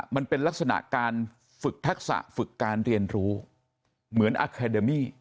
มันเป็นลักษณะการฝึกทักษะฝึกการเรียนรู้เหมือนอาคาเดมี่